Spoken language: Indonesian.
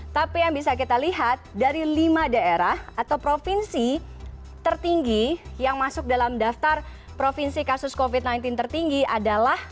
tapi yang bisa kita lihat dari lima daerah atau provinsi tertinggi yang masuk dalam daftar provinsi kasus covid sembilan belas tertinggi adalah